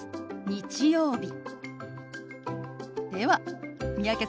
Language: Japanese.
日曜日。